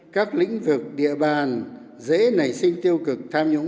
các lĩnh vực địa bàn dễ nảy sinh tiêu cực tham nhũng